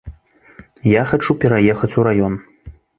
Я хачу пераехаць у раён.